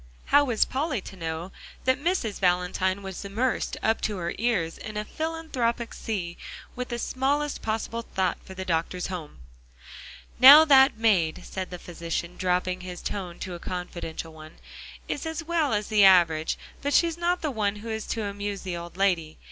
How was Polly to know that Mrs. Valentine was immersed up to her ears in a philanthropic sea with the smallest possible thought for the doctor's home? "Now that maid," said the physician, dropping his tone to a confidential one, "is as well as the average, but she's not the one who is to amuse the old lady.